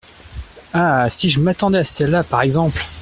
Ah ! si je m’attendais à celle-là, par exemple !